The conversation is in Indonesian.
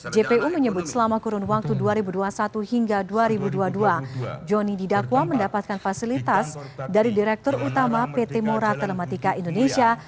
jpu menyebut selama kurun waktu dua ribu dua puluh satu hingga dua ribu dua puluh dua joni didakwa mendapatkan fasilitas dari direktur utama pt moratelematika indonesia